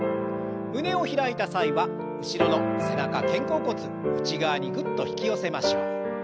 胸を開いた際は後ろの背中肩甲骨内側にグッと引き寄せましょう。